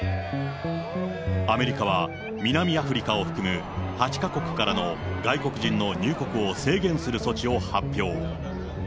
アメリカは、南アフリカを含む８か国からの外国人の入国を制限する措置を発表。